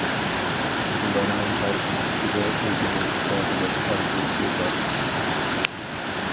ئۇلارنىڭ ھەر ئىككىسىدە ئۆزىنى ئىپادىلەش ئارزۇسى بار.